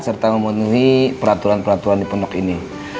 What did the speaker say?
serta memenuhi peraturan peraturan di pondok ini